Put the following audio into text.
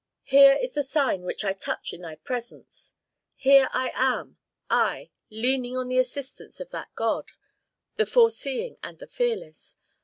"Here is the sign which I touch in thy presence. Here I am I, leaning on the assistance of that God, the foreseeing and the fearless.